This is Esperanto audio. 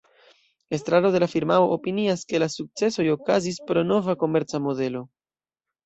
Estraro de la firmao opinias, ke la sukcesoj okazis pro nova komerca modelo.